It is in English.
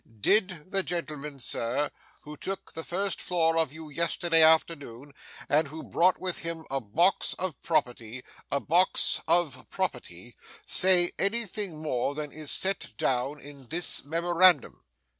Did the gentleman, Sir, who took the first floor of you yesterday afternoon, and who brought with him a box of property a box of property say anything more than is set down in this memorandum?